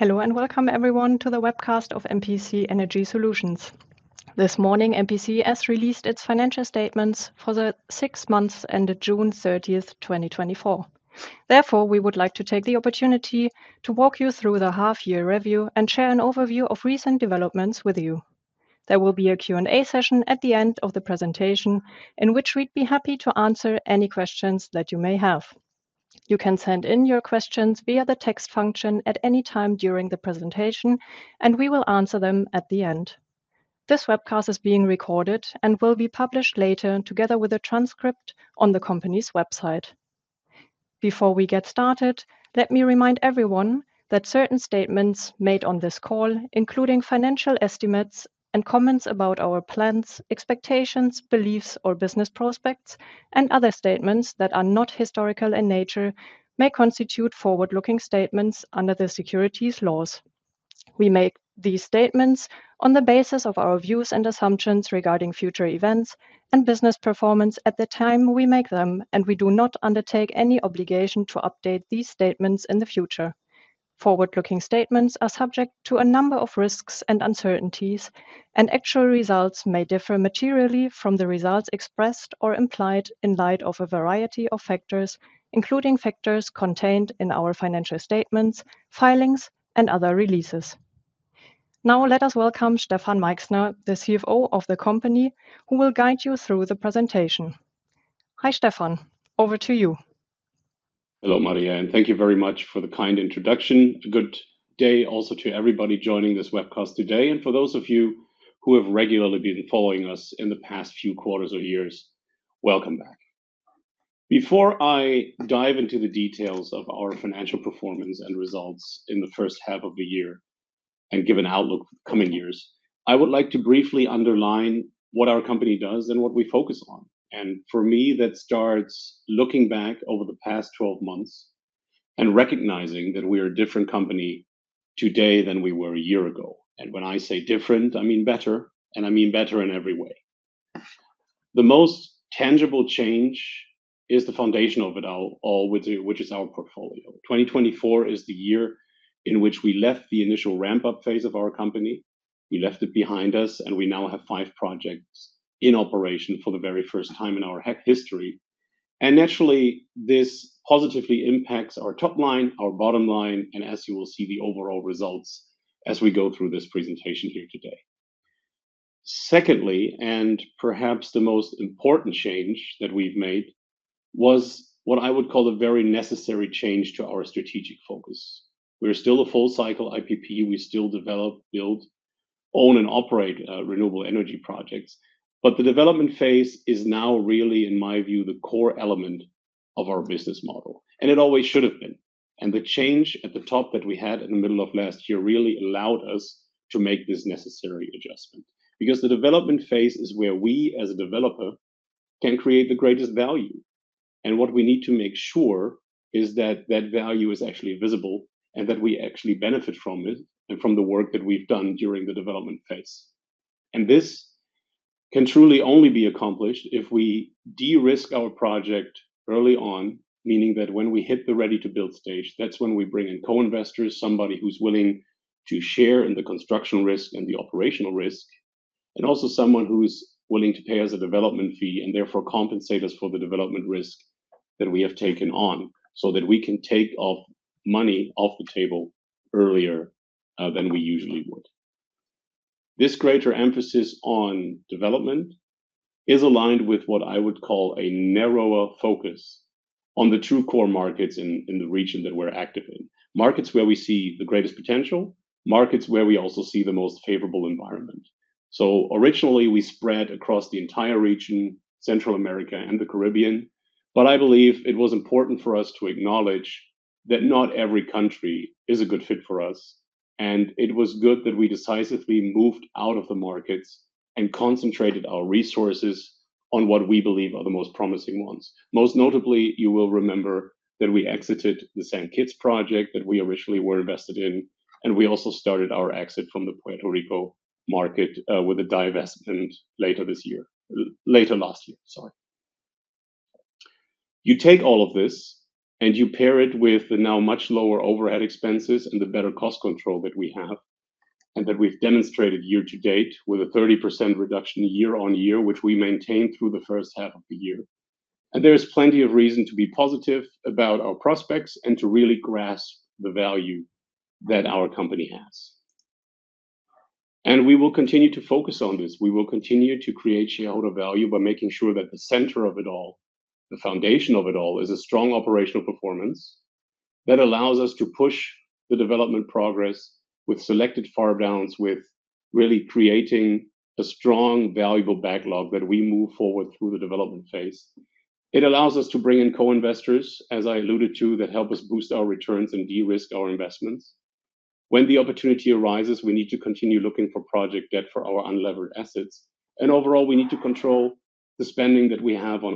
Hello, and welcome everyone to the webcast of MPC Energy Solutions. This morning, MPCS released its financial statements for the six months ended June 30th, 2024. Therefore, we would like to take the opportunity to walk you through the half-year review and share an overview of recent developments with you. There will be a Q&A session at the end of the presentation, in which we'd be happy to answer any questions that you may have. You can send in your questions via the text function at any time during the presentation, and we will answer them at the end. This webcast is being recorded and will be published later, together with a transcript on the company's website. Before we get started, let me remind everyone that certain statements made on this call, including financial estimates and comments about our plans, expectations, beliefs, or business prospects, and other statements that are not historical in nature, may constitute forward-looking statements under the securities laws. We make these statements on the basis of our views and assumptions regarding future events and business performance at the time we make them, and we do not undertake any obligation to update these statements in the future. Forward-looking statements are subject to a number of risks and uncertainties, and actual results may differ materially from the results expressed or implied in light of a variety of factors, including factors contained in our financial statements, filings, and other releases. Now, let us welcome Stefan Meichsner, the CFO of the company, who will guide you through the presentation. Hi, Stefan. Over to you. Hello, Maria, and thank you very much for the kind introduction. Good day also to everybody joining this webcast today, and for those of you who have regularly been following us in the past few quarters or years, welcome back. Before I dive into the details of our financial performance and results in the first half of the year and give an outlook for the coming years, I would like to briefly underline what our company does and what we focus on. For me, that starts looking back over the past 12 months and recognizing that we are a different company today than we were a year ago. When I say different, I mean better, and I mean better in every way. The most tangible change is the foundation of it all, which is our portfolio. 2024 is the year in which we left the initial ramp-up phase of our company. We left it behind us, and we now have 5 projects in operation for the very first time in our history. Naturally, this positively impacts our top line, our bottom line, and as you will see, the overall results as we go through this presentation here today. Secondly, and perhaps the most important change that we've made, was what I would call a very necessary change to our strategic focus. We are still a full-cycle IPP. We still develop, build, own, and operate renewable energy projects, but the development phase is now really, in my view, the core element of our business model, and it always should have been. The change at the top that we had in the middle of last year really allowed us to make this necessary adjustment, because the development phase is where we, as a developer, can create the greatest value. What we need to make sure is that, that value is actually visible and that we actually benefit from it and from the work that we've done during the development phase. This can truly only be accomplished if we de-risk our project early on, meaning that when we hit the Ready-to-Build stage, that's when we bring in co-investors, somebody who's willing to share in the construction risk and the operational risk, and also someone who's willing to pay us a development fee and therefore compensate us for the development risk that we have taken on, so that we can take off money off the table earlier than we usually would. This greater emphasis on development is aligned with what I would call a narrower focus on the true core markets in the region that we're active in. Markets where we see the greatest potential, markets where we also see the most favorable environment. So originally, we spread across the entire region, Central America and the Caribbean, but I believe it was important for us to acknowledge that not every country is a good fit for us, and it was good that we decisively moved out of the markets and concentrated our resources on what we believe are the most promising ones. Most notably, you will remember that we exited the Saint Kitts project that we originally were invested in, and we also started our exit from the Puerto Rico market, with a divestment later this year. Later last year, sorry. You take all of this and you pair it with the now much lower overhead expenses and the better cost control that we have, and that we've demonstrated year to date with a 30% reduction year-on-year, which we maintained through the first half of the year. There is plenty of reason to be positive about our prospects and to really grasp the value that our company has. We will continue to focus on this. We will continue to create shareholder value by making sure that the center of it all, the foundation of it all, is a strong operational performance that allows us to push the development progress with selected farm downs, with really creating a strong, valuable backlog that we move forward through the development phase. It allows us to bring in co-investors, as I alluded to, that help us boost our returns and de-risk our investments. When the opportunity arises, we need to continue looking for project debt for our unlevered assets, and overall, we need to control the spending that we have on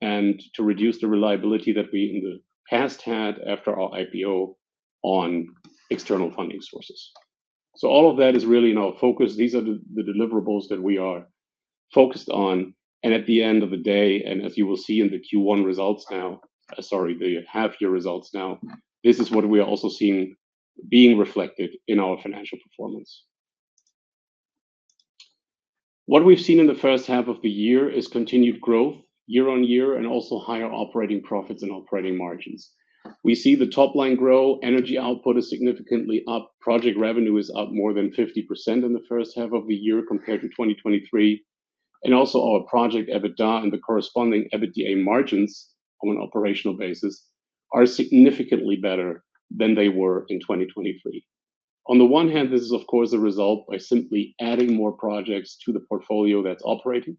overhead and to reduce the reliability that we in the past had after our IPO on external funding sources. So all of that is really now focused. These are the deliverables that we are focused on, and at the end of the day, and as you will see in the Q1 results now, sorry, the half-year results now, this is what we are also seeing being reflected in our financial performance. What we've seen in the first half of the year is continued growth year-on-year, and also higher operating profits and operating margins. We see the top line grow, energy output is significantly up, project revenue is up more than 50% in the first half of the year compared to 2023, and also our project EBITDA and the corresponding EBITDA margins on an operational basis are significantly better than they were in 2023. On the one hand, this is, of course, a result by simply adding more projects to the portfolio that's operating.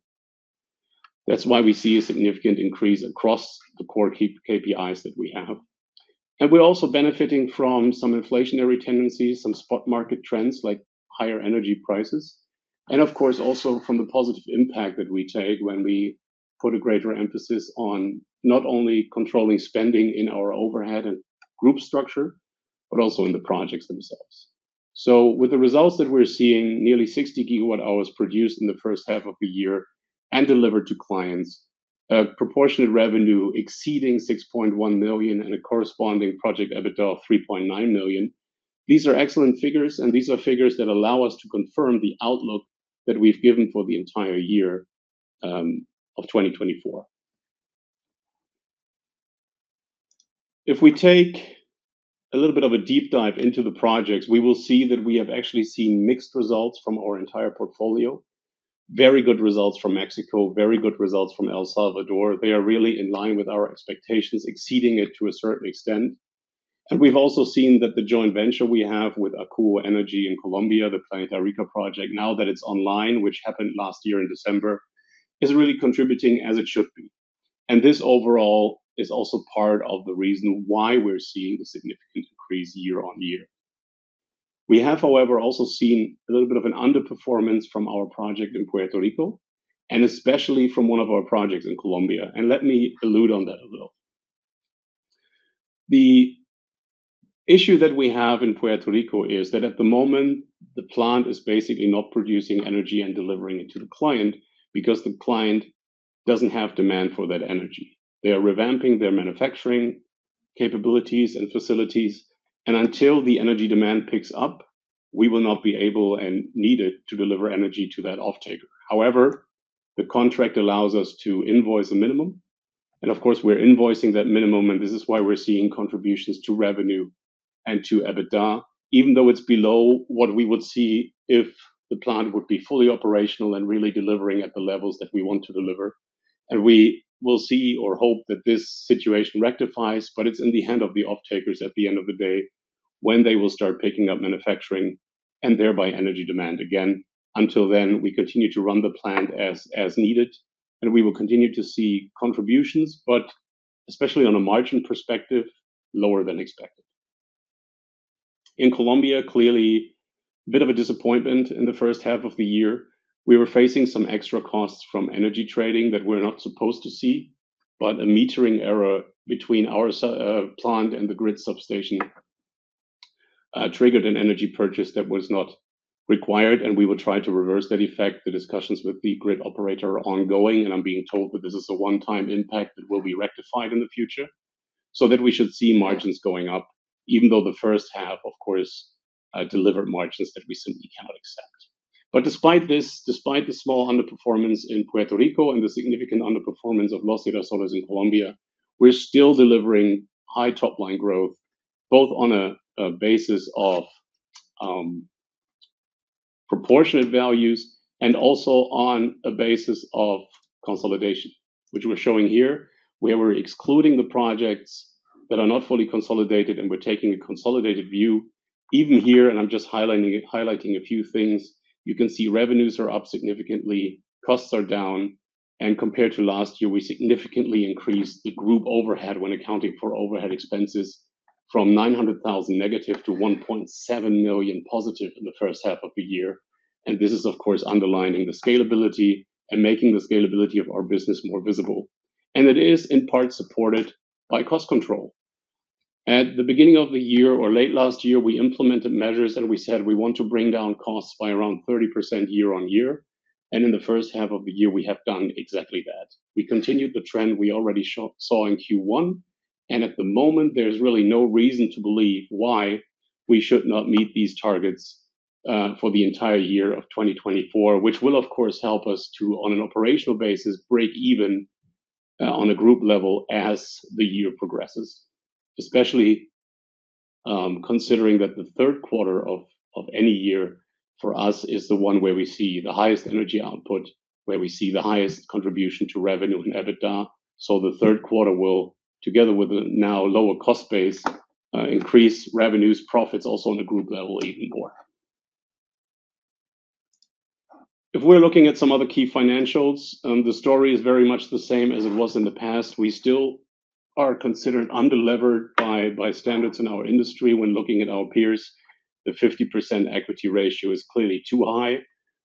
That's why we see a significant increase across the core key KPIs that we have. And we're also benefiting from some inflationary tendencies, some spot market trends, like higher energy prices, and of course, also from the positive impact that we take when we put a greater emphasis on not only controlling spending in our overhead and group structure, but also in the projects themselves. So with the results that we're seeing, nearly 60 gigawatt hours produced in the first half of the year and delivered to clients, a proportionate revenue exceeding $6.1 million and a corresponding project EBITDA of $3.9 million. These are excellent figures, and these are figures that allow us to confirm the outlook that we've given for the entire year of 2024. If we take a little bit of a deep dive into the projects, we will see that we have actually seen mixed results from our entire portfolio. Very good results from Mexico, very good results from El Salvador. They are really in line with our expectations, exceeding it to a certain extent. And we've also seen that the joint venture we have with Akuo Energy in Colombia, the Planeta Rica project, now that it's online, which happened last year in December, is really contributing as it should be. And this overall is also part of the reason why we're seeing a significant increase year-on-year. We have, however, also seen a little bit of an underperformance from our project in Puerto Rico, and especially from one of our projects in Colombia. And let me elaborate on that a little. The issue that we have in Puerto Rico is that at the moment, the plant is basically not producing energy and delivering it to the client because the client doesn't have demand for that energy. They are revamping their manufacturing capabilities and facilities, and until the energy demand picks up, we will not be able and needed to deliver energy to that offtaker. However, the contract allows us to invoice a minimum, and of course, we're invoicing that minimum, and this is why we're seeing contributions to revenue and to EBITDA, even though it's below what we would see if the plant would be fully operational and really delivering at the levels that we want to deliver. And we will see or hope that this situation rectifies, but it's in the hands of the Offtaker at the end of the day, when they will start picking up manufacturing and thereby energy demand again. Until then, we continue to run the plant as needed, and we will continue to see contributions, but especially on a margin perspective, lower than expected. In Colombia, clearly, a bit of a disappointment in the first half of the year. We were facing some extra costs from energy trading that we're not supposed to see, but a metering error between our plant and the grid substation triggered an energy purchase that was not required, and we will try to reverse that effect. The discussions with the grid operator are ongoing, and I'm being told that this is a one-time impact that will be rectified in the future, so that we should see margins going up, even though the first half, of course, delivered margins that we simply cannot accept. But despite this, despite the small underperformance in Puerto Rico and the significant underperformance of Los Girasoles in Colombia, we're still delivering high top-line growth, both on a basis of proportionate values and also on a basis of consolidation, which we're showing here, where we're excluding the projects that are not fully consolidated, and we're taking a consolidated view. Even here, and I'm just highlighting a few things, you can see revenues are up significantly, costs are down, and compared to last year, we significantly increased the group overhead when accounting for overhead expenses from -$900,000 million-+$1.7 million positive in the first half of the year. And this is, of course, underlining the scalability and making the scalability of our business more visible. And it is, in part, supported by cost control. At the beginning of the year or late last year, we implemented measures, and we said we want to bring down costs by around 30% year-on-year. In the first half of the year, we have done exactly that. We continued the trend we already saw in Q1, and at the moment, there's really no reason to believe why we should not meet these targets for the entire year of 2024, which will, of course, help us to, on an operational basis, break even on a group level as the year progresses, especially considering that the Q3 of any year for us is the one where we see the highest energy output, where we see the highest contribution to revenue and EBITDA. So the Q3 will, together with the now lower cost base, increase revenues, profits also on the group level even more. If we're looking at some other key financials, the story is very much the same as it was in the past. We still are considered underlevered by standards in our industry when looking at our peers. The 50% equity ratio is clearly too high.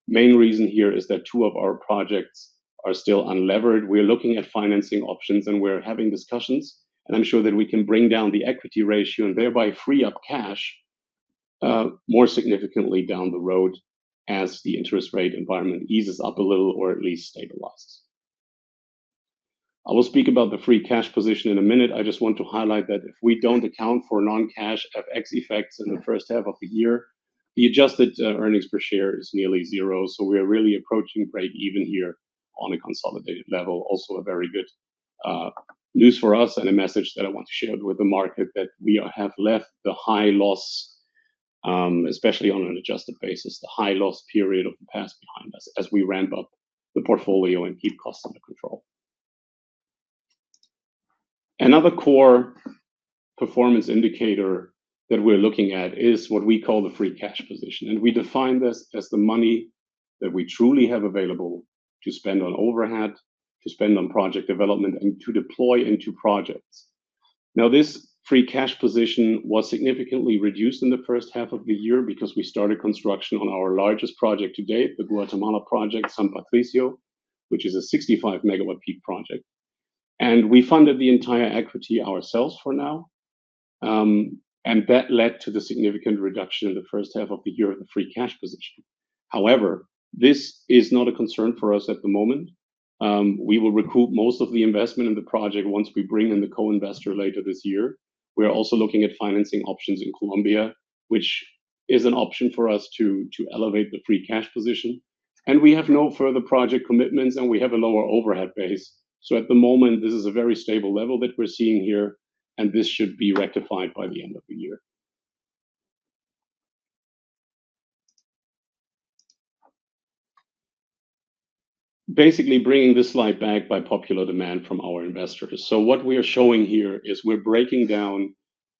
Main reason here is that two of our projects are still unlevered. We're looking at financing options, and we're having discussions, and I'm sure that we can bring down the equity ratio and thereby free up cash more significantly down the road as the interest rate environment eases up a little or at least stabilizes. I will speak about the free cash position in a minute. I just want to highlight that if we don't account for non-cash FX effects in the first half of the year, the adjusted earnings per share is nearly zero. So we are really approaching break-even here on a consolidated level. Also, a very good news for us and a message that I want to share with the market, that we have left the high loss, especially on an adjusted basis, the high loss period of the past behind us as we ramp up the portfolio and keep costs under control. Another core performance indicator that we're looking at is what we call the free cash position, and we define this as the money that we truly have available to spend on overhead, to spend on project development, and to deploy into projects. Now, this free cash position was significantly reduced in the first half of the year because we started construction on our largest project to date, the Guatemala project, San Patricio, which is a 65 megawatt peak project, and we funded the entire equity ourselves for now. And that led to the significant reduction in the first half of the year in the free cash position. However, this is not a concern for us at the moment. We will recoup most of the investment in the project once we bring in the co-investor later this year. We are also looking at financing options in Colombia, which is an option for us to elevate the free cash position, and we have no further project commitments, and we have a lower overhead base. At the moment, this is a very stable level that we're seeing here, and this should be rectified by the end of the year. Basically, bringing this slide back by popular demand from our investors. What we are showing here is we're breaking down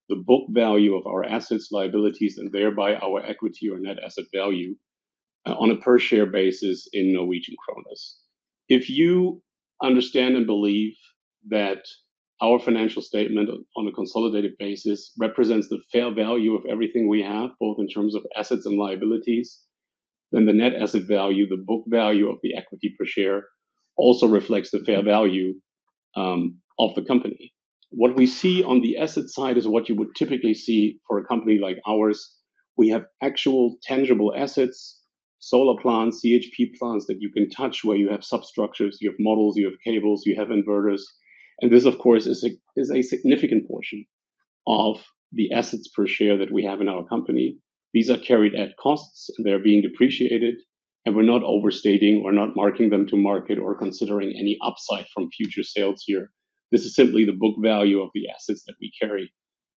the book value of our assets, liabilities, and thereby our equity or net asset value, on a per share basis in Norwegian kroners. If you understand and believe that our financial statement on a consolidated basis represents the fair value of everything we have, both in terms of assets and liabilities, then the net asset value, the book value of the equity per share, also reflects the fair value, of the company. What we see on the asset side is what you would typically see for a company like ours. We have actual tangible assets, solar plants, CHP plants that you can touch, where you have substructures, you have models, you have cables, you have inverters. And this, of course, is a significant portion of the assets per share that we have in our company. These are carried at costs, they're being depreciated, and we're not overstating or not marking them to market or considering any upside from future sales here. This is simply the book value of the assets that we carry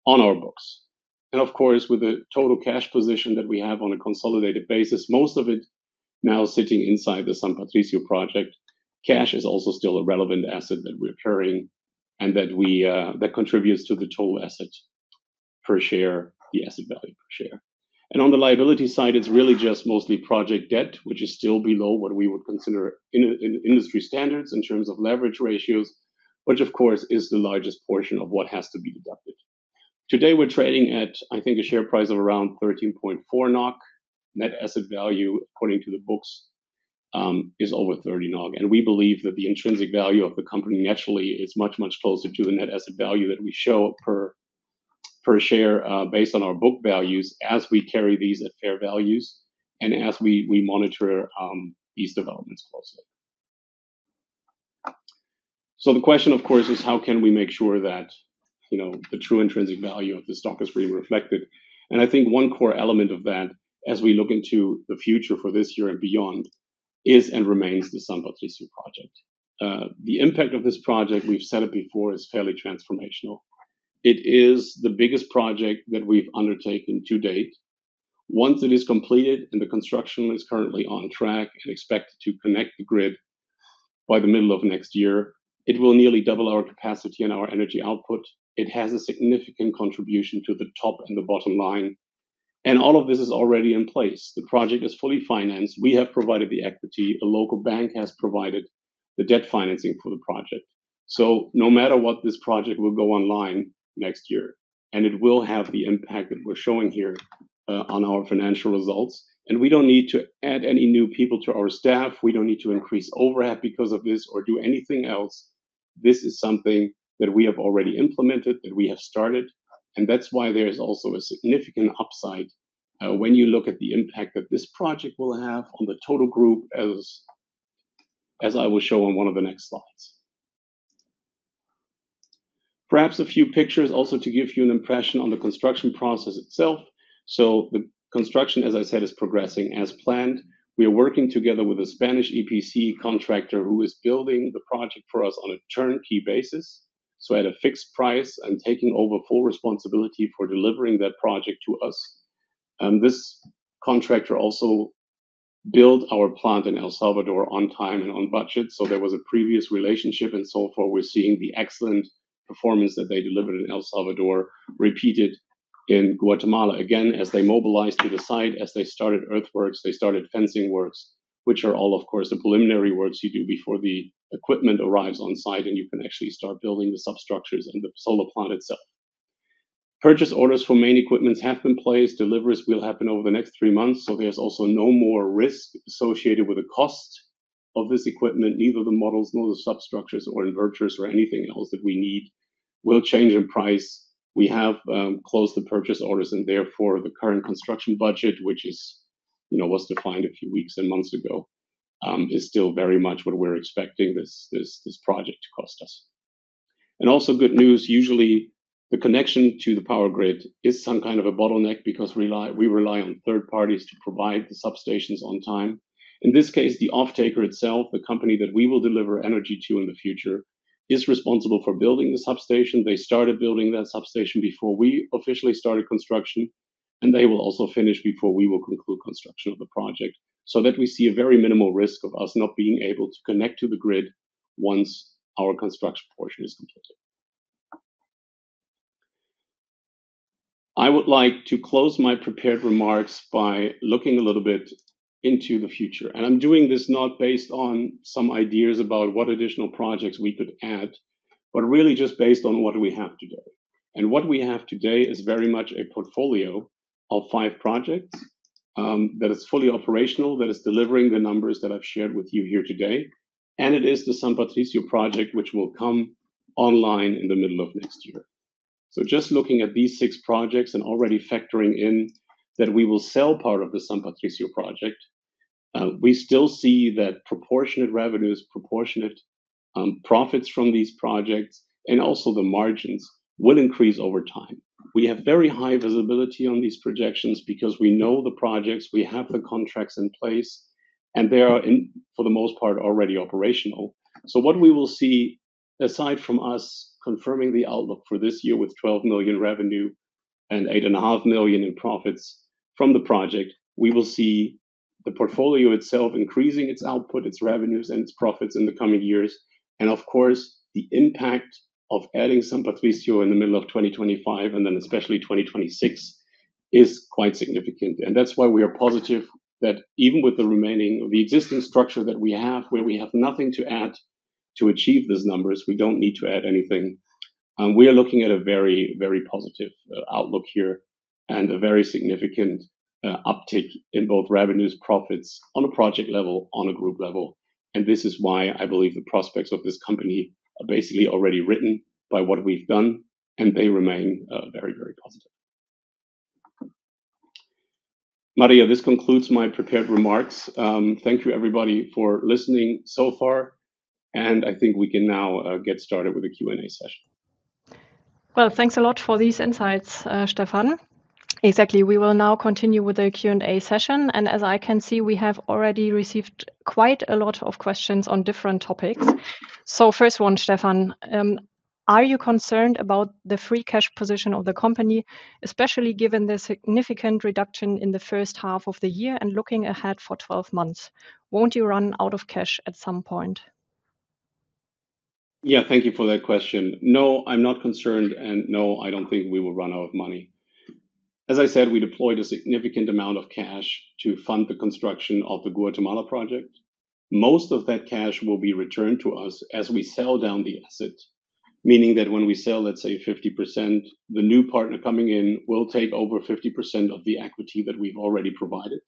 on our books. And of course, with the total cash position that we have on a consolidated basis, most of it now sitting inside the San Patricio project. Cash is also still a relevant asset that we're carrying and that we, that contributes to the total asset per share, the asset value per share. On the liability side, it's really just mostly project debt, which is still below what we would consider in industry standards in terms of leverage ratios, which of course, is the largest portion of what has to be deducted. Today, we're trading at, I think, a share price of around 13.4 NOK. Net Asset Value, according to the books, is over 30 NOK, and we believe that the intrinsic value of the company naturally is much, much closer to the Net Asset Value that we show per share, based on our book values, as we carry these at fair values and as we monitor these developments closely. So the question, of course, is: how can we make sure that, you know, the true intrinsic value of the stock is really reflected? I think one core element of that, as we look into the future for this year and beyond, is and remains the San Patricio project. The impact of this project, we've said it before, is fairly transformational. It is the biggest project that we've undertaken to date. Once it is completed, and the construction is currently on track and expected to connect the grid by the middle of next year, it will nearly double our capacity and our energy output. It has a significant contribution to the top and the bottom line, and all of this is already in place. The project is fully financed. We have provided the equity. A local bank has provided the debt financing for the project. So no matter what, this project will go online next year, and it will have the impact that we're showing here, on our financial results. We don't need to add any new people to our staff. We don't need to increase overhead because of this or do anything else. This is something that we have already implemented, that we have started, and that's why there is also a significant upside when you look at the impact that this project will have on the total group, as I will show on one of the next slides. Perhaps a few pictures also to give you an impression on the construction process itself. The construction, as I said, is progressing as planned. We are working together with a Spanish EPC contractor who is building the project for us on a turnkey basis, so at a fixed price and taking over full responsibility for delivering that project to us. This contractor also built our plant in El Salvador on time and on budget. So there was a previous relationship and so forth. We're seeing the excellent performance that they delivered in El Salvador, repeated in Guatemala. Again, as they mobilized to the site, as they started earthworks, they started fencing works, which are all, of course, the preliminary works you do before the equipment arrives on site, and you can actually start building the substructures and the solar plant itself. Purchase orders for main equipments have been placed. Deliveries will happen over the next three months, so there's also no more risk associated with the cost of this equipment. Neither the models, nor the substructures, or inverters, or anything else that we need.... will change in price. We have closed the purchase orders, and therefore, the current construction budget, which is, you know, was defined a few weeks and months ago, is still very much what we're expecting this project to cost us. Also good news, usually, the connection to the power grid is some kind of a bottleneck, because we rely on third parties to provide the substations on time. In this case, the offtaker itself, the company that we will deliver energy to in the future, is responsible for building the substation. They started building that substation before we officially started construction, and they will also finish before we will conclude construction of the project. So that we see a very minimal risk of us not being able to connect to the grid once our construction portion is completed. I would like to close my prepared remarks by looking a little bit into the future, and I'm doing this not based on some ideas about what additional projects we could add, but really just based on what we have today. And what we have today is very much a portfolio of five projects that is fully operational, that is delivering the numbers that I've shared with you here today, and it is the San Patricio project, which will come online in the middle of next year. So just looking at these six projects and already factoring in that we will sell part of the San Patricio project, we still see that proportionate revenues, proportionate profits from these projects, and also the margins, will increase over time. We have very high visibility on these projections because we know the projects, we have the contracts in place, and they are in, for the most part, already operational. So what we will see, aside from us confirming the outlook for this year with $12 million revenue and $8.5 million in profits from the project, we will see the portfolio itself increasing its output, its revenues, and its profits in the coming years. And of course, the impact of adding San Patricio in the middle of 2025, and then especially 2026, is quite significant. And that's why we are positive that even with the remaining... the existing structure that we have, where we have nothing to add to achieve these numbers, we don't need to add anything. And we are looking at a very, very positive outlook here and a very significant uptick in both revenues, profits, on a project level, on a group level. And this is why I believe the prospects of this company are basically already written by what we've done, and they remain very, very positive. Maria, this concludes my prepared remarks. Thank you, everybody, for listening so far, and I think we can now get started with the Q&A session. Well, thanks a lot for these insights, Stefan. Exactly, we will now continue with the Q&A session, and as I can see, we have already received quite a lot of questions on different topics. So first one, Stefan, are you concerned about the free cash position of the company, especially given the significant reduction in the first half of the year and looking ahead for 12 months? Won't you run out of cash at some point? Yeah, thank you for that question. No, I'm not concerned, and no, I don't think we will run out of money. As I said, we deployed a significant amount of cash to fund the construction of the Guatemala project. Most of that cash will be returned to us as we sell down the asset, meaning that when we sell, let's say, 50%, the new partner coming in will take over 50% of the equity that we've already provided.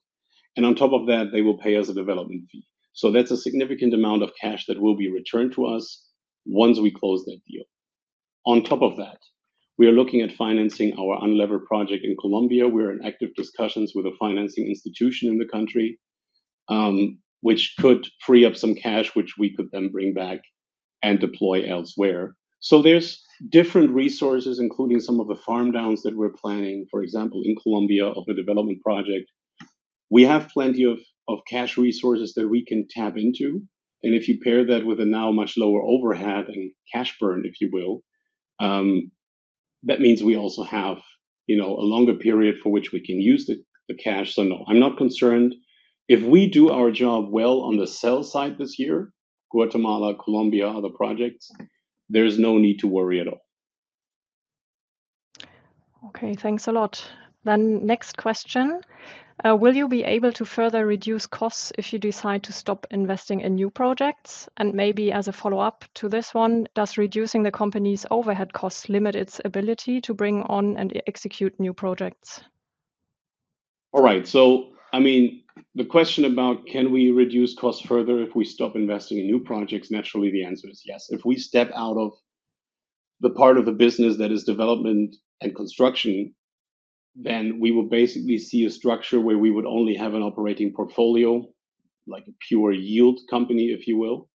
And on top of that, they will pay us a development fee. So that's a significant amount of cash that will be returned to us once we close that deal. On top of that, we are looking at financing our unlevered project in Colombia. We're in active discussions with a financing institution in the country, which could free up some cash, which we could then bring back and deploy elsewhere. So there's different resources, including some of the farm-downs that we're planning, for example, in Colombia, of the development project. We have plenty of cash resources that we can tap into, and if you pair that with a now much lower overhead and cash burn, if you will, that means we also have, you know, a longer period for which we can use the cash. So no, I'm not concerned. If we do our job well on the sale side this year, Guatemala, Colombia, other projects, there is no need to worry at all. Okay, thanks a lot. Then next question, will you be able to further reduce costs if you decide to stop investing in new projects? And maybe as a follow-up to this one, does reducing the company's overhead costs limit its ability to bring on and execute new projects? All right. So, I mean, the question about can we reduce costs further if we stop investing in new projects, naturally, the answer is yes. If we step out of the part of the business that is development and construction, then we will basically see a structure where we would only have an operating portfolio, like a pure yield company, if you will.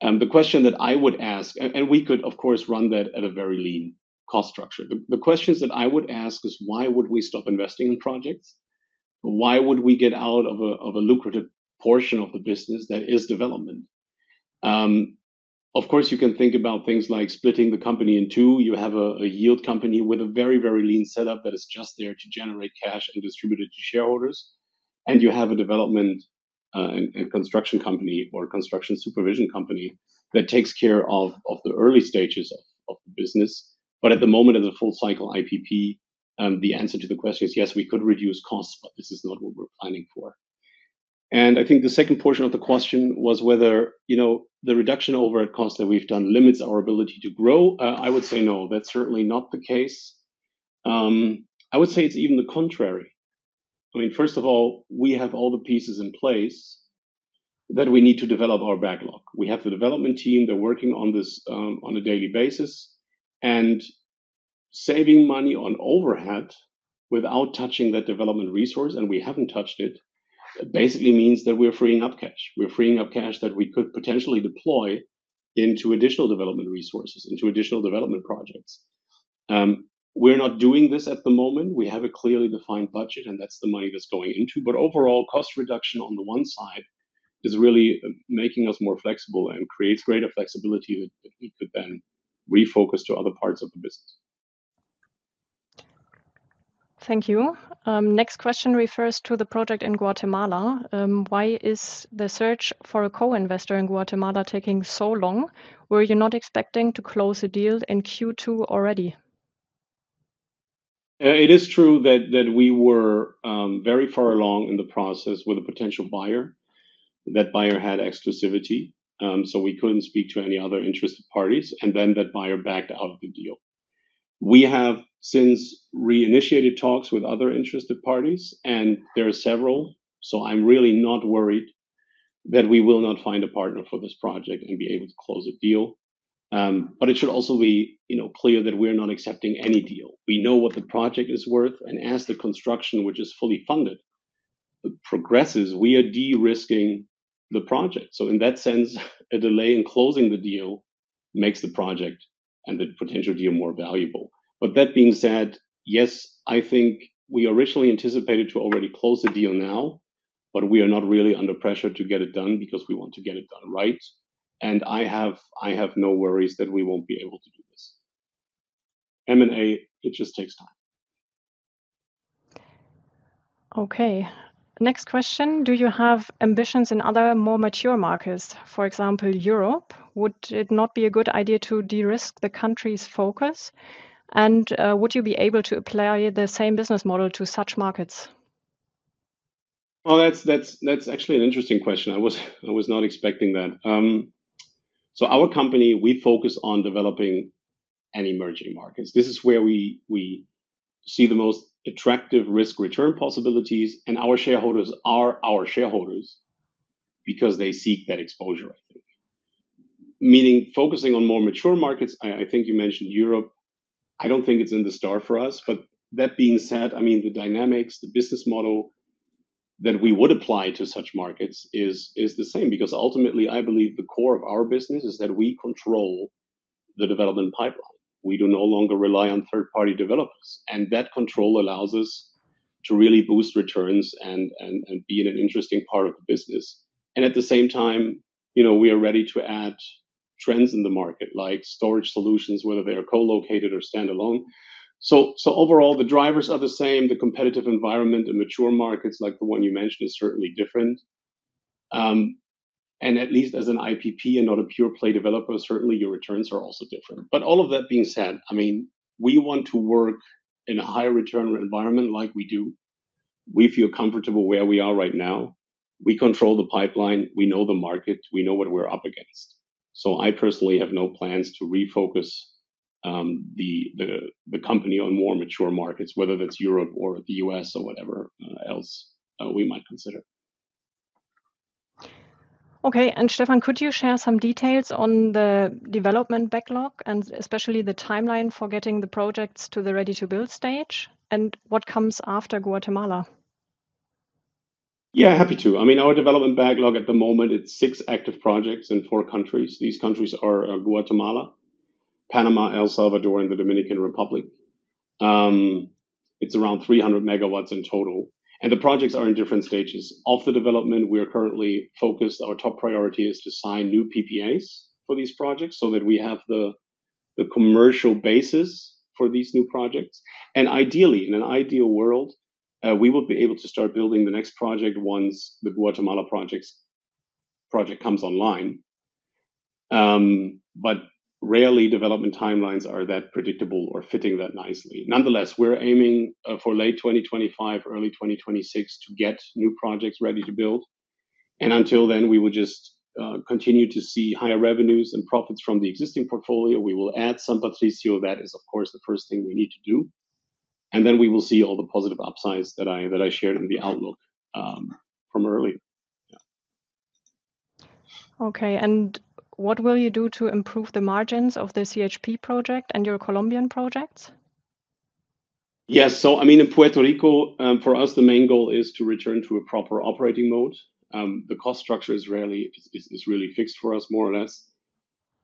The question that I would ask, and we could, of course, run that at a very lean cost structure. The questions that I would ask is: Why would we stop investing in projects? Why would we get out of a, of a lucrative portion of the business that is development? Of course, you can think about things like splitting the company in two. You have a yield company with a very, very lean setup that is just there to generate cash and distribute it to shareholders, and you have a development and construction company or construction supervision company that takes care of the early stages of the business. But at the moment, in the full cycle IPP, the answer to the question is, yes, we could reduce costs, but this is not what we're planning for. And I think the second portion of the question was whether, you know, the reduction overhead cost that we've done limits our ability to grow. I would say no, that's certainly not the case. I would say it's even the contrary. I mean, first of all, we have all the pieces in place that we need to develop our backlog. We have the development team, they're working on this, on a daily basis, and saving money on overhead without touching that development resource, and we haven't touched it, it basically means that we're freeing up cash. We're freeing up cash that we could potentially deploy into additional development resources, into additional development projects. We're not doing this at the moment. We have a clearly defined budget, and that's the money that's going into, but overall, cost reduction on the one side is really making us more flexible and creates greater flexibility that we could then refocus to other parts of the business. Thank you. Next question refers to the project in Guatemala. Why is the search for a co-investor in Guatemala taking so long? Were you not expecting to close the deal in Q2 already? It is true that we were very far along in the process with a potential buyer. That buyer had exclusivity, so we couldn't speak to any other interested parties, and then that buyer backed out of the deal. We have since reinitiated talks with other interested parties, and there are several, so I'm really not worried that we will not find a partner for this project and be able to close a deal. But it should also be, you know, clear that we're not accepting any deal. We know what the project is worth, and as the construction, which is fully funded, progresses, we are de-risking the project. So in that sense, a delay in closing the deal makes the project and the potential deal more valuable. But that being said, yes, I think we originally anticipated to already close the deal now, but we are not really under pressure to get it done because we want to get it done right, and I have, I have no worries that we won't be able to do this. M&A, it just takes time. Okay. Next question: Do you have ambitions in other, more mature markets, for example, Europe? Would it not be a good idea to de-risk the country's focus? And, would you be able to apply the same business model to such markets? Well, that's actually an interesting question. I was not expecting that. So our company, we focus on developing in emerging markets. This is where we see the most attractive risk-return possibilities, and our shareholders are our shareholders because they seek that exposure, I think. Meaning, focusing on more mature markets, I think you mentioned Europe, I don't think it's in the stars for us. But that being said, I mean, the dynamics, the business model that we would apply to such markets is the same. Because ultimately, I believe the core of our business is that we control the development pipeline. We do no longer rely on third-party developers, and that control allows us to really boost returns and be in an interesting part of the business. And at the same time, you know, we are ready to add trends in the market, like storage solutions, whether they are co-located or standalone. So overall, the drivers are the same. The competitive environment in mature markets, like the one you mentioned, is certainly different. And at least as an IPP and not a pure-play developer, certainly your returns are also different. But all of that being said, I mean, we want to work in a high-return environment like we do. We feel comfortable where we are right now. We control the pipeline, we know the market, we know what we're up against. So I personally have no plans to refocus the company on more mature markets, whether that's Europe or the U.S. or whatever else we might consider. Okay, and Stefan, could you share some details on the development backlog and especially the timeline for getting the projects to the ready-to-build stage, and what comes after Guatemala? Yeah, happy to. I mean, our development backlog at the moment, it's 6 active projects in 4 countries. These countries are Guatemala, Panama, El Salvador, and the Dominican Republic. It's around 300 MW in total, and the projects are in different stages of the development. We are currently focused. Our top priority is to sign new PPAs for these projects, so that we have the, the commercial basis for these new projects. And ideally, in an ideal world, we will be able to start building the next project once the Guatemala project comes online. But rarely development timelines are that predictable or fitting that nicely. Nonetheless, we're aiming for late 2025, early 2026, to get new projects ready to build, and until then, we will just continue to see higher revenues and profits from the existing portfolio. We will add some capacity, so that is, of course, the first thing we need to do. And then we will see all the positive upsides that I, that I shared in the outlook from earlier. Yeah. Okay, and what will you do to improve the margins of the CHP project and your Colombian projects? Yes, so I mean, in Puerto Rico, for us, the main goal is to return to a proper operating mode. The cost structure is really fixed for us, more or less.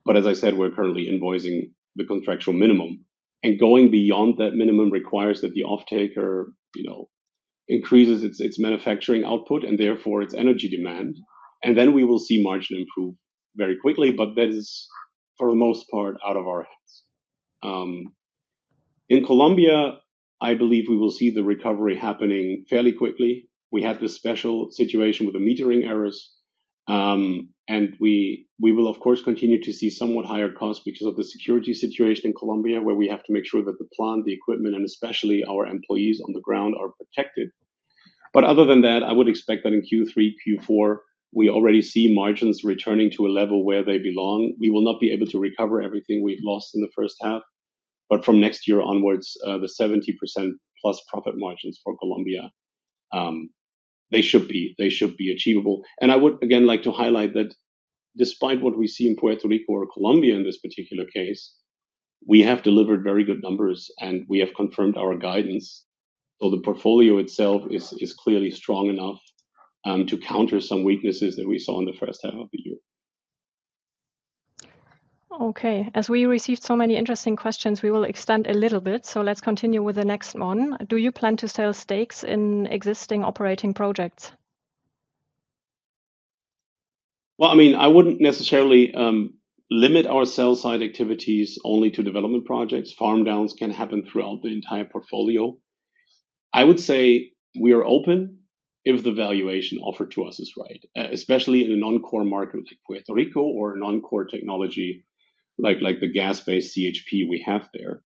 But as I said, we're currently invoicing the contractual minimum, and going beyond that minimum requires that the offtaker, you know, increases its manufacturing output and therefore its energy demand, and then we will see margin improve very quickly, but that is, for the most part, out of our hands. In Colombia, I believe we will see the recovery happening fairly quickly. We had this special situation with the metering errors, and we will, of course, continue to see somewhat higher costs because of the security situation in Colombia, where we have to make sure that the plant, the equipment, and especially our employees on the ground, are protected. But other than that, I would expect that in Q3, Q4, we already see margins returning to a level where they belong. We will not be able to recover everything we've lost in the first half, but from next year onwards, the 70%+ profit margins for Colombia, they should be achievable. And I would, again, like to highlight that despite what we see in Puerto Rico or Colombia in this particular case, we have delivered very good numbers, and we have confirmed our guidance. So the portfolio itself is clearly strong enough to counter some weaknesses that we saw in the first half of the year. Okay, as we received so many interesting questions, we will extend a little bit, so let's continue with the next one. Do you plan to sell stakes in existing operating projects? Well, I mean, I wouldn't necessarily limit our sell side activities only to development projects. Farm downs can happen throughout the entire portfolio. I would say we are open if the valuation offered to us is right, especially in a non-core market like Puerto Rico or a non-core technology, like the gas-based CHP we have there.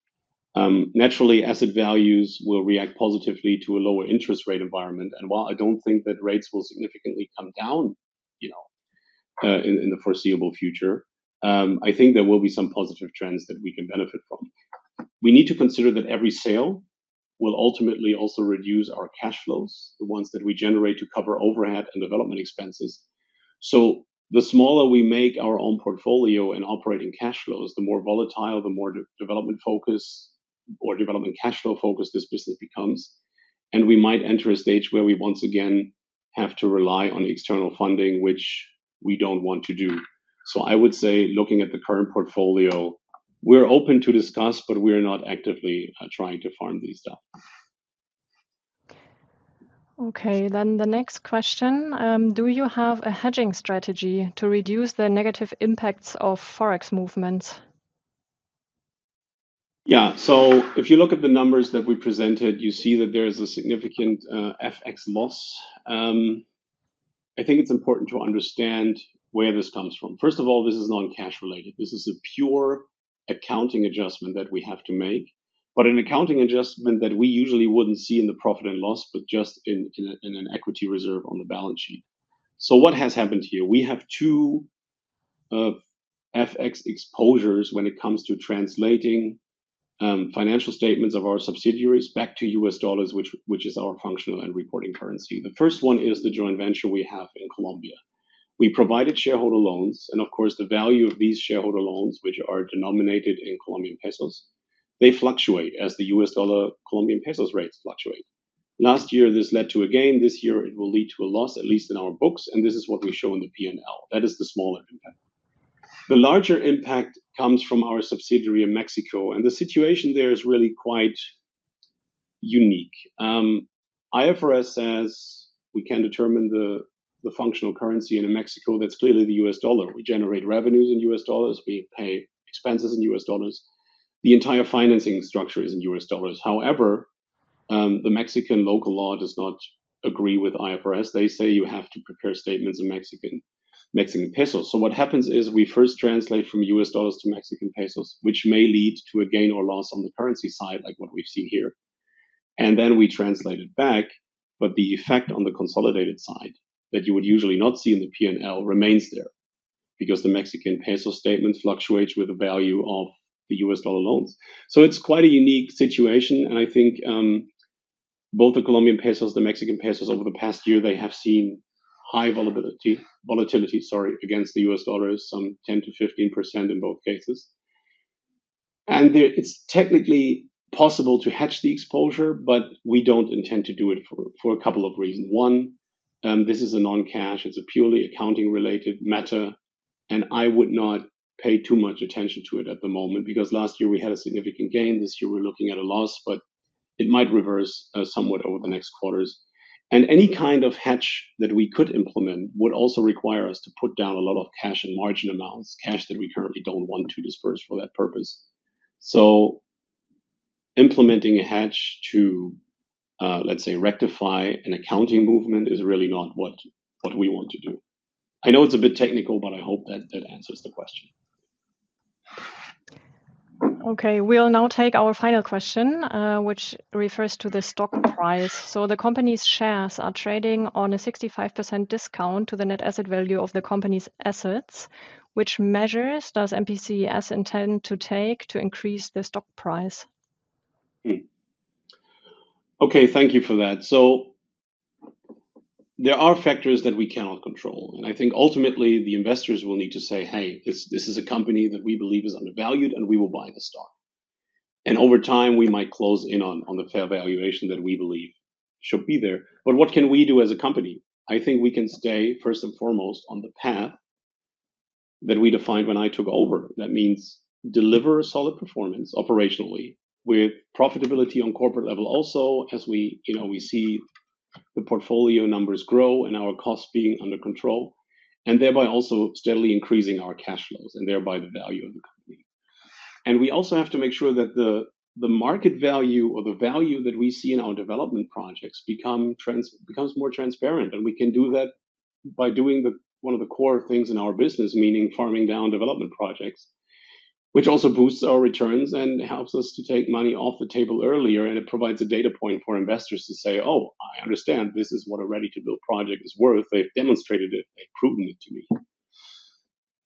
Naturally, asset values will react positively to a lower interest rate environment, and while I don't think that rates will significantly come down, you know, in the foreseeable future, I think there will be some positive trends that we can benefit from. We need to consider that every sale will ultimately also reduce our cash flows, the ones that we generate to cover overhead and development expenses. So the smaller we make our own portfolio and operating cash flows, the more volatile, the more development focus or development cash flow focus this business becomes, and we might enter a stage where we once again have to rely on external funding, which we don't want to do. So I would say, looking at the current portfolio, we're open to discuss, but we are not actively trying to farm these down. Okay, then the next question. Do you have a hedging strategy to reduce the negative impacts of Forex movements? Yeah. So if you look at the numbers that we presented, you see that there is a significant FX loss. I think it's important to understand where this comes from. First of all, this is non-cash related. This is a pure accounting adjustment that we have to make, but an accounting adjustment that we usually wouldn't see in the profit and loss, but just in an equity reserve on the balance sheet. So what has happened here? We have two FX exposures when it comes to translating financial statements of our subsidiaries back to U.S. dollars, which is our functional and reporting currency. The first one is the joint venture we have in Colombia. We provided shareholder loans, and of course, the value of these shareholder loans, which are denominated in Colombian pesos, they fluctuate as the US dollar, Colombian pesos rates fluctuate. Last year, this led to a gain. This year, it will lead to a loss, at least in our books, and this is what we show in the P&L. That is the smaller impact. The larger impact comes from our subsidiary in Mexico, and the situation there is really quite unique. IFRS says we can determine the functional currency, and in Mexico, that's clearly the US dollar. We generate revenues in US dollars, we pay expenses in US dollars. The entire financing structure is in US dollars. However, the Mexican local law does not agree with IFRS. They say you have to prepare statements in Mexican pesos. So what happens is, we first translate from US dollars to Mexican pesos, which may lead to a gain or loss on the currency side, like what we've seen here, and then we translate it back. But the effect on the consolidated side, that you would usually not see in the P&L, remains there because the Mexican peso statement fluctuates with the value of the US dollar loans. So it's quite a unique situation, and I think both the Colombian pesos, the Mexican pesos, over the past year, they have seen high volatility against the US dollar, some 10%-15% in both cases. And there, it's technically possible to hedge the exposure, but we don't intend to do it for a couple of reasons. One, this is a non-cash. It's a purely accounting-related matter, and I would not pay too much attention to it at the moment, because last year we had a significant gain. This year, we're looking at a loss, but it might reverse somewhat over the next quarters. And any kind of hedge that we could implement would also require us to put down a lot of cash and margin amounts, cash that we currently don't want to disperse for that purpose. So implementing a hedge to, let's say, rectify an accounting movement is really not what, what we want to do. I know it's a bit technical, but I hope that that answers the question. Okay, we'll now take our final question, which refers to the stock price. So the company's shares are trading on a 65% discount to the Net Asset Value of the company's assets. Which measures does MPCS intend to take to increase the stock price? Hmm. Okay, thank you for that. So there are factors that we cannot control, and I think ultimately, the investors will need to say, "Hey, this, this is a company that we believe is undervalued, and we will buy the stock." And over time, we might close in on, on the fair valuation that we believe should be there. But what can we do as a company? I think we can stay, first and foremost, on the path that we defined when I took over. That means deliver a solid performance operationally with profitability on corporate level. Also, as we, you know, we see the portfolio numbers grow and our costs being under control, and thereby also steadily increasing our cash flows and thereby the value of the company. And we also have to make sure that the market value or the value that we see in our development projects becomes more transparent. And we can do that by doing one of the core things in our business, meaning farming down development projects, which also boosts our returns and helps us to take money off the table earlier, and it provides a data point for investors to say, "Oh, I understand. This is what a ready-to-build project is worth. They've demonstrated it. They've proven it to me."...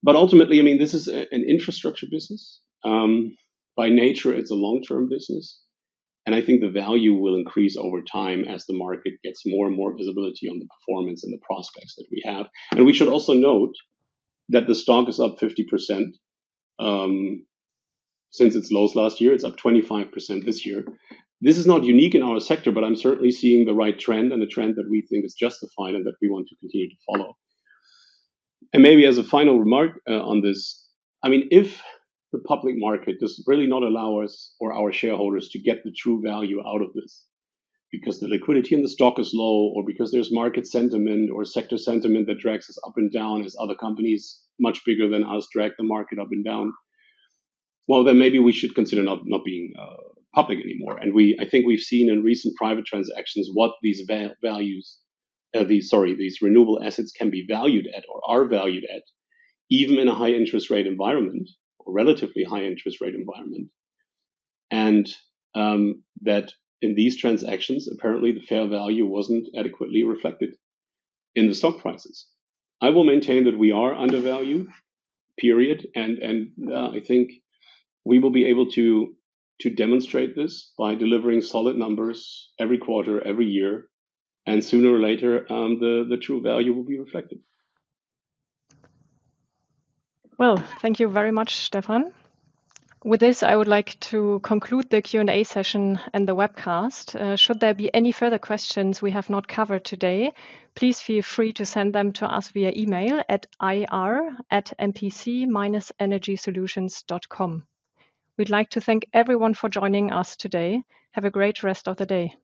But ultimately, I mean, this is an infrastructure business. By nature, it's a long-term business, and I think the value will increase over time as the market gets more and more visibility on the performance and the prospects that we have. We should also note that the stock is up 50% since its lows last year. It's up 25% this year. This is not unique in our sector, but I'm certainly seeing the right trend and the trend that we think is justified and that we want to continue to follow. And maybe as a final remark on this, I mean, if the public market does really not allow us or our shareholders to get the true value out of this because the liquidity in the stock is low, or because there's market sentiment or sector sentiment that drags us up and down as other companies much bigger than us drag the market up and down, well, then maybe we should consider not being public anymore. I think we've seen in recent private transactions what these values, these... Sorry, these renewable assets can be valued at or are valued at, even in a high interest rate environment or relatively high interest rate environment. And, that in these transactions, apparently the fair value wasn't adequately reflected in the stock prices. I will maintain that we are undervalued, period, and, and, I think we will be able to demonstrate this by delivering solid numbers every quarter, every year, and sooner or later, the true value will be reflected. Well, thank you very much, Stefan. With this, I would like to conclude the Q&A session and the webcast. Should there be any further questions we have not covered today, please feel free to send them to us via email at ir@mpc-energysolutions.com. We'd like to thank everyone for joining us today. Have a great rest of the day.